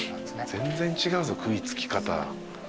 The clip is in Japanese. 全然違うぞ食い付き方。